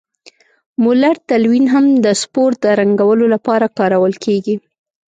مولر تلوین هم د سپور د رنګولو لپاره کارول کیږي.